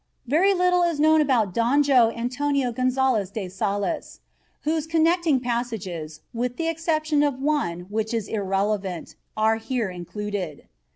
Very little is known about Don Joe Antonio Gonzalez de Salas, whose connecting passages, with the exception of one which is irrelevant, are here included.